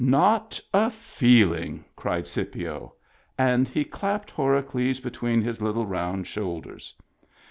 " Not a feeling !" cried Scipio. And he clapped Horacles between his little round shoul ders.